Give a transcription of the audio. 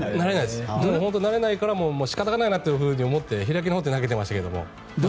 慣れないから仕方がないなと思って開き直って投げてましたけど。